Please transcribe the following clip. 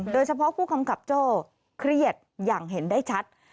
โดยเฉพาะผู้กำกับโจ้เครียดอย่างเห็นได้ชัด